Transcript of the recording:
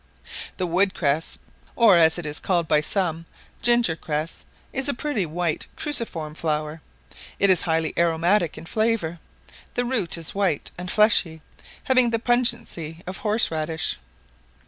The wood cress, or as it is called by some, ginger cress, is a pretty white cruciform flower; it is highly aromatic in flavour; the root is white and fleshy, having the pungency of horseradish.